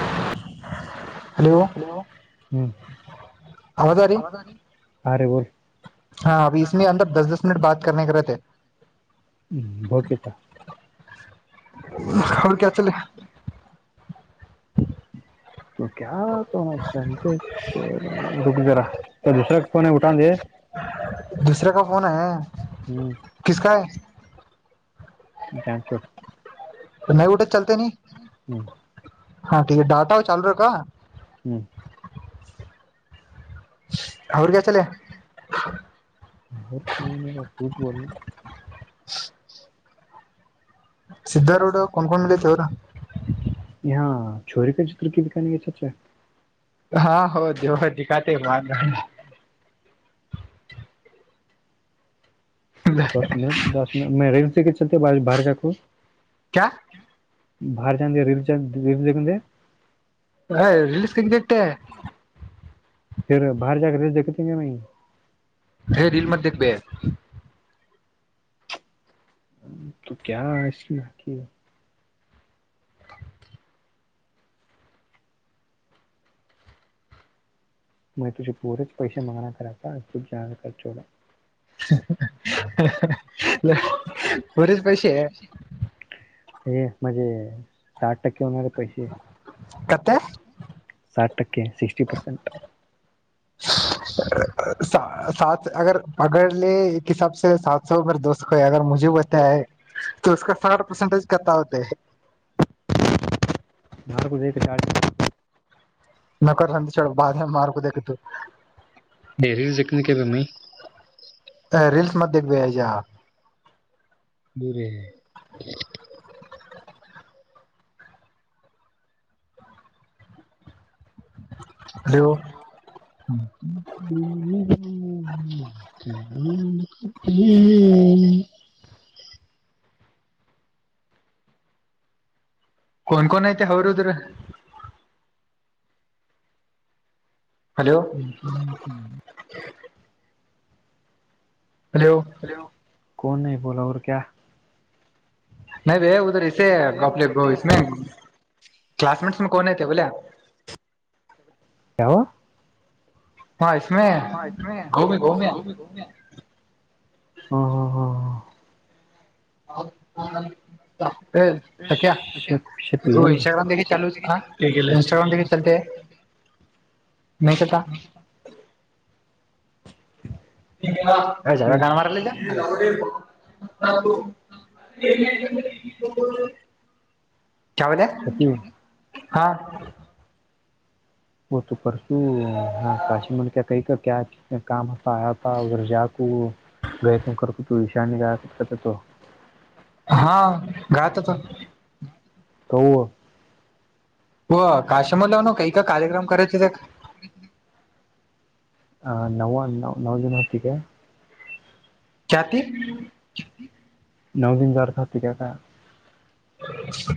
[inaudible] Hello ಹ್ಮ್. ಅ ರೇ ಬೋಲ್. [unintelligible] ಹ್ಮ ಭೋಗ್ಯೇಕಾ ಹಕ್ಕೆ ಆಚಲ್ಲ [unintelligible] ಕ ತ ಚ ಚ ರ ಜರಾ ದೂಸರ ಫೋನ್ ಉಠಾ. ದೂಸರ ಕಾ ಫೋನ್ ಹ ಕಿಸಕಯ. ಜಾಂಚೋಟ್ ನ ಊಟೆ ಚಲತ ನೀ ಹಾ ಟಾ ಚಾಲೂ ರಕ್ಕಾ. ಹ್ಮ್ [inaudible] ಅವರು ಕಚಲ ತುಜ ಬನಾ. [inaudible] [inaudible] ಹ. ಚೋರಿ ಚಿಕ್ರ ಕ ದಖೆಗೆ ಚರ್ಚೆ. ಹಾ ಹೌ ದವ ದಖಾತ ಮಾಡ. ದ ಮಿನಿಟ್ ದ ಮಿನಿಟ್ ಮ ರೈಲ್ ಕಟ್ ಚಲತ ಬರೆ ಚಕು. ಕ್ಯಾ. ಬಾರಿ ಚ ರ ರ ದ ಹ ರಿಲೀಸ್ ಹಂಟ್ಟೆ ರ್ ಬಹಾರ ಜಕ ರಬೇಕ ತಿಗೆ ಹ ರೀಲ್ ಮ ದಬೇಕ ಕ ಇಲಿ ಹಾಕಿ ಮೈತ್ೃಷಿ ಪೂರಚ್ ಪೈಸ ಮಾಂಗನಾಕಾರರಕ ಅಚ್ಯುಬ್ ಜಾವಡ್ಕರ್ ಚೋಡ ಬರ ಪೈಷ ಹ ಮೆ ಸಾಠ ಕೆ ಹನೆ ಪೈಸ ಕತೆ ಸಟ್ಟಕ್ಕೆ ಸಿಕ್ಸ್ಟಿ ಪರ್ಸೆಂಟ್ ಸಾ ಸಾ ಅ ಅಗರ್ಲೆೇ ಹಸಬ ಸ ಸಾತ್ ಸೊ ದ ಸ ಅ ಮುೆ ಬತಾಯ ಕ ಸಠ ಪಸೆಟೇಜ ಕತ್ತಾತ ಭಾರ ಕುದ ಕಾರಾ ನಕರ ರಂತ ಚಛ ಬಧೆ ಮಾರಕುದೇಕ ತು ೇರಿ ಚಕ್ಕನ ಕೆ ಬಮ್ಮ ಹ ರೀಲ್ಸ್ ಮ ದಬೇಕ ಆಜಾ ದೂರ ಇಲ್ಲಾ ಹ್ಮ ಕನ್ಕೋನ್ ಐತೆ ಅವರುದ್ರ ಒಪನತ ಹಲೋ ಕನ್ ನೀ ಬೋಲ ಅವ ಕ ನ ಭಯ ಉಧರ ಇೇ ಗಪ್ಲೆಮೇ ಕ್ಲಸ್ಮೇಟ್ಸ್ ಮ ಕನ ಬಲ ಯಾವ ಹಯ್ ಹ ಹ ಹ ಹ ಹೌ ಸ ಕ ಇನ್ಸ್ಟಾಗ್ರಾಮದ ಚ ಹ ಇಸ್ಟಾಗ್ರಾಮಿ ಚತ ಮ ಕದ ಇಲ್ಲ ಚಾವ ಕನ್ ಮಾಡಾರಲ್ಲಜ ಹ ಕ ಬಲ ಹಾ ಪಸು ಹ ಕಾಶಮಲ್ ಕ ಕೈ ಕ ಕ ಕಾಮತ್ತ ಆತ ಉಧರ ಜಾಕ ಗೈತುಕತ ತ ವಿಷಾಿ ಗಕತ ಕತೆ ತ ಹಾ ಗತತ ಹ ಹಓ ಕಾಶಮರ ಲ ನ ಕ ಈ ಕ ಕಾರ್ಯಕ್ರಮ ಕತ ನ ನವಜನ ಹತಿಿಗೆ ಚಾತಿ ನೌದಿನ ಜಖತಿಗಾಗ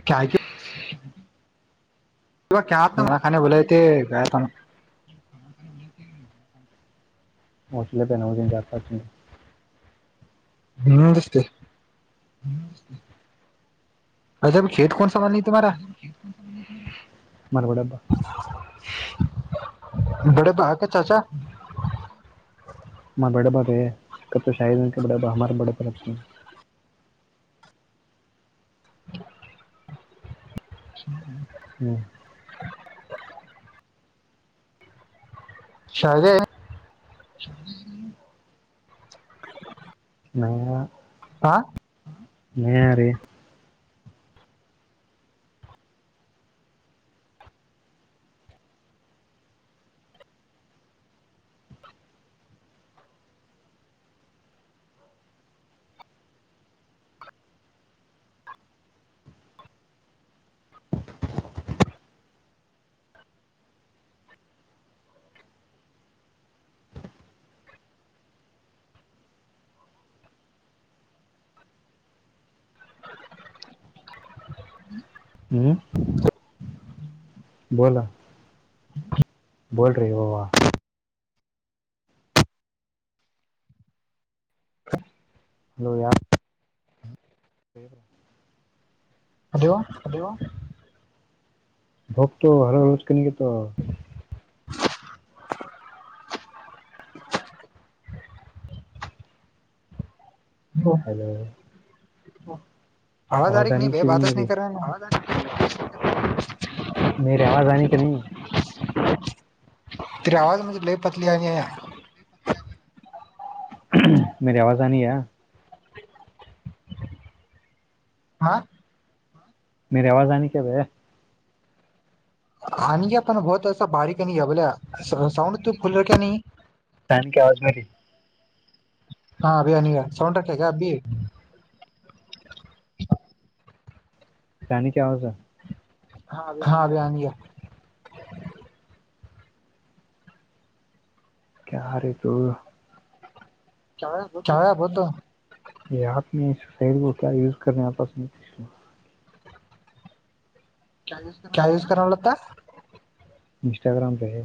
ಕ ಕ ಇ ಕತ ಮಖೆ ಬಲ ಗತ ಮೋಷಲ್ಲ ಬೆನೌದ ಜ ಆತಚೆ ಹ್ಮ್ ನಷ್ಟೇ ಹ್ಮ [unintelligible] ಮರಗಡ ಹಬ್ಬ ಬಡೆ ಭಾಗ ಚಾಚಾ [unintelligible] ಹ್ಮ ಶದೇ [inaudible] ನ ಅ ರ ಹ್ಮ್ ಬೋಲ ಬೋಲ್ ರೀ ಯವ್ವಾ ಹಲೋ ಯಾರು ಹಲೋ [unintelligible] ಹಲೋ [unintelligible] ಮೇರಿ ಆವಾಜ ಆನಕ್ಕೆ ನೀ [unintelligible] ಮೇರಿ ಆವಾಜ ಆನಿಯ ಹಾ ಮೇರಿ ಆವಾಜ ಆನಿ ಕ್ಯಾ ಭೈಯ್ಯಾ [unintelligible] [unintelligible] ಹಾ ಅಭಿ ಆನೆಗ ಸೌಂಡ್ ರಕ್ಕೇಗಾ ಅಭೀ [unintelligible] ಹಾ ಅಭೀ ಅನಿಗಾ ಕ್ಯಾರೇ ತು [unintelligible] [unintelligible] ಕ್ಯಾ ಯೂಸ್ ಕರ್ನೆ ಲತ್ತಾ ಇನ್ಸ್ಟಾಗ್ರಾಮ್ ಪೇ ಹೈ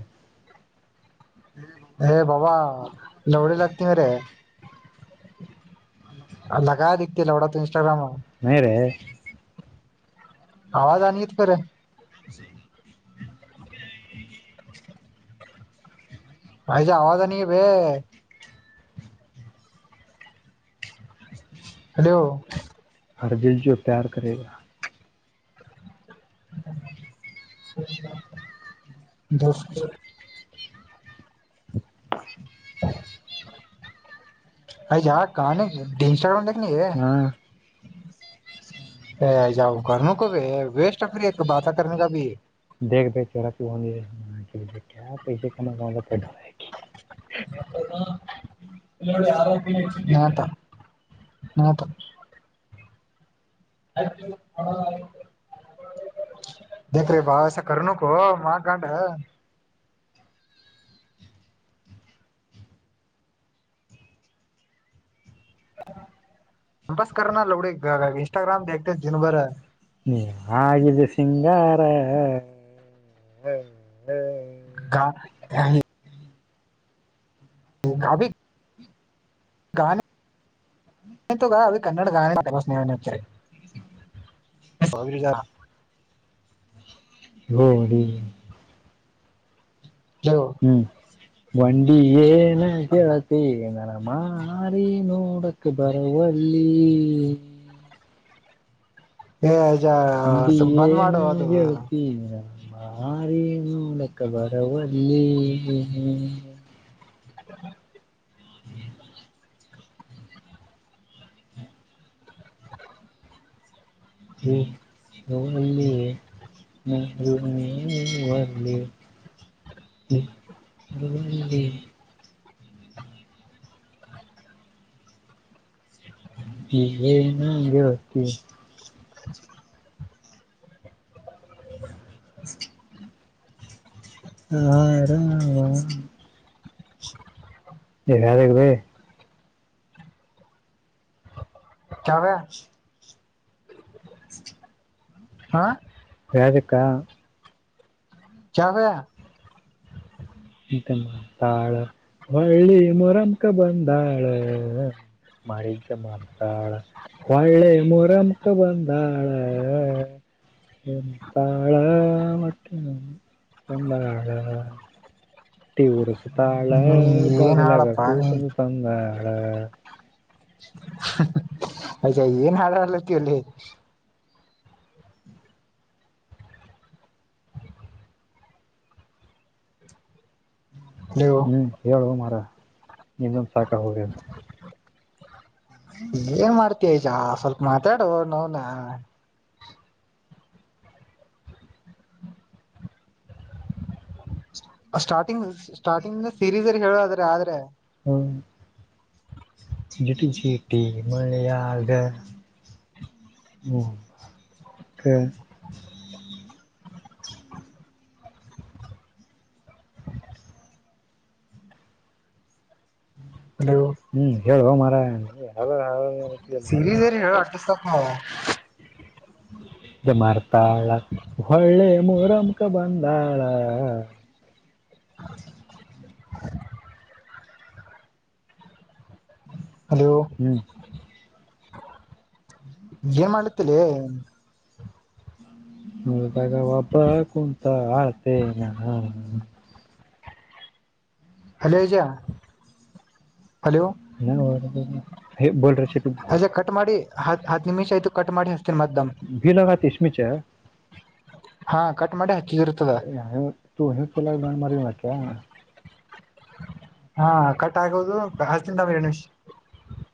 ಹೇ ಬಾಬಾ ಲೌಡೆ ಲಗ್ತೇ ಹೈ ರೇ ಲಗಾ ದಿತಿ ಲೌಡಾತ ಇನ್ಸ್ಟಾಗ್ರಾಮ ನಹಿ ರೇ ಆವಾಜ ಆನಿತ್ತು ಕರ [unintelligible] ಆಯ್ಜ ಆವಾಜ ನೀ ಬಾಯೇ [unintelligible] ಹಲೋ ಹರ್ ದಿಲ್ ಜೋ ಪ್ಯಾರ್ ಕರೆಗಾ ದೋಸ್ತ್ [unintelligible] [unintelligible] [inaudible] ಯಹಾ ತ ನಹತ [unintelligible] [unintelligible] [unintelligible] ಇಂಸ್ಟಾಗ್ರಾಮ ದತೆ ಜಿನ ಭರ. ನೀ ಆಗಿದ್ದ ಸಿಂಗಾರ. ಹ್ಮ್ ಹ [unintelligible] ಹ ಅಭಿ. ಗಾನ ತ ಅದು ಕನ್ನಡ ಗಾನ ಸ್ನೇಹ. ಹಗರಿ ಜ. [unintelligible] ಹ್ಮ್ ವಂಡಿ ಏನು ಕೇಳತ್ತೆ ನನ. ಮಾರಿ ನೋಡಕ್ಕೆ ಬರುವಲ್ಲಿ ನಂದಿ ಏನ ಅದು ಹೇಳ್ತಿರಾ ಮಾರ ಮೂಡಕ್ಕೆ ಬರವಲ್ಲಿ. [inaudible] [unintelligible] ಹ್ಮ್ ಶವ ನೀ. ಹ ನೀ ಮಾಡರಲಿ [unintelligible] ಹ್ಮ ಅದ [unintelligible] ಏನು ಅಗೆ ವತಿ. [inaudible] [unintelligible] ಹಾ ಯಾರ. [unintelligible] ಚಾವೇ. ಹಾ ಅದಕ್ಕ ಚಾಗಾ [unintelligible] ಮಂತೆ ಮಾಡ್ತಾಳ ಒಳ್ಳಿ ಮರಮಕ ಬಂದಾಳ. ಮಾಳ ಜ ಮಾರತಳ ಒಳ್ಳೆ [unintelligible] ಬಂದಾಳ ಎಂತಾಳ ಮಟ್ಟ ಹೊಂದಾಳ ಉರ್ಸ ತಾಳ ಹ್ಮ್ ಏನ್ ಬಾಗಲಾಗ ಹಾಡಪ್ಪಾ ನೀ ಕೂಸಂದ ತಂದ ಹ [inaudible] [unintelligible] ಅಯ್ ಏನ್ ಹಾಡಲತ್ತ ಅಲ್ಲಿ ನೀವು ಹ್ಮ್ ಹೇಳುವ ಮರ ಇಂದೊಂದ ಸಾಕ ಹೋಗನು. ಏನ್ ಮಾಡ್ತಯಜಾ ಸ್ವಲ್ಪ ಮಾತಾಡು ನೋನ. ಸ್ಟಾರ್ಟಿಂಗ್ ಸ್ಟಾರ್ಟಿಂಗ್ ಸೀರೀಸ್ಲ್ಹೇಳುವದ್ರೆ ಆದ್ರೆ. ಚಿ ಚೀಟ್ಟಿ ಮಳ ಆಳ್ಗೆ [inaudible] ಹಕ್ಕೆ. ಹಲೋ. ಹ್ಮ್ ಹೇಳುವ ಮಾರ ನೀ. ಹೇಳ್ತೀಯಲ್ಲ. ಸಿರಿ ಅರಿ ಹೇಳ ಅಡ್ತಿಸತ ನವು. ಮಾರತಾಳ ಒಳ್ಳೆ ಮೊರಮಕ ಬಂದಾಳ. [inaudible] ಹಲೋ ಹ್ಮ [inaudible] ಏನ್ ಮಾಡುತ್ತಲೇ. ಮದಗ ಬಬ ಕುಂತ ಹಳ್ತನಾ. ಹಲೋ ಏಜಾ ಹಲೋ ನ ಹ ಬಲ [unintelligible] ಅಜೇ ಕಟ್ ಮಾಡಿ ಹತ್ ಹತ್ತು ನಿಮಿಷ ಆಯ್ತು ಕಟ್ ಮಾಡಿ. ಹಚ್ತೀನಿ ಮತ್ ದಮ್ ಭೀಲಗ ತಿಷ್ಮಿಚ ಹಾ ಕಟ್ ಮಾಡೆ ಯ ತೂ ಹವಕ್ಕೆಲ್ಲಾರ ಗಂಡ ಮರಿಕ್ಯ. ಹಾ ಕಟ್ ಆಗೋದು [unintelligible]